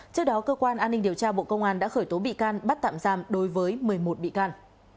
trước đó cơ quan an ninh điều tra bộ công an đã khởi tố bị can bắt tạm giam đối với một mươi một bị can